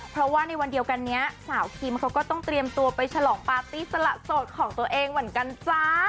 เพราะว่าในวันเดียวกันนี้สาวคิมเขาก็ต้องเตรียมตัวไปฉลองปาร์ตี้สละโสดของตัวเองเหมือนกันจ้า